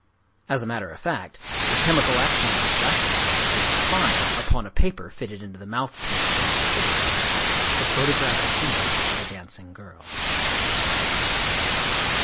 As a matter of fact, the chemical action of the tobacco smoke would define, upon a paper fitted into the mouth piece of each cigarette, the photographic image of a dancing girl.